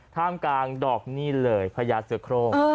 ท่ามกลางดอกนี่แหลคพยาสิทธิ์โครม